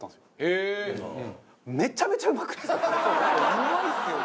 うまいですよね。